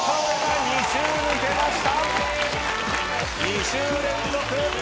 ２週連続。